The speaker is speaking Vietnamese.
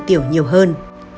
tiểu nhiều hơn